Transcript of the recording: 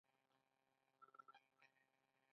آیا پښتون د حق پلوی نه دی؟